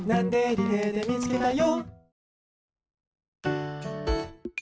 リレーでみつけたよ！」